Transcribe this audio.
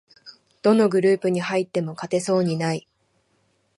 どのグループに入っても勝てそうにない